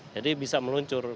jadi bisa meluncur